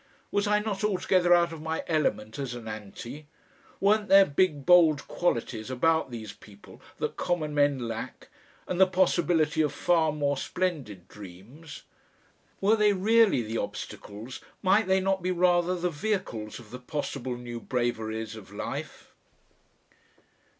Was I not altogether out of my element as an Anti ? Weren't there big bold qualities about these people that common men lack, and the possibility of far more splendid dreams? Were they really the obstacles, might they not be rather the vehicles of the possible new braveries of life?